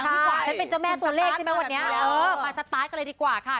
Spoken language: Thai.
ยังเป็นเจ้าแม่ตัวเลขสักกว่า